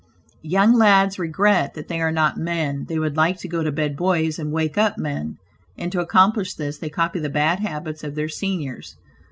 Young lads regret that they are not men; they would like to go to bed boys and wake up men; and to accomplish this they copy the bad habits of their seniors.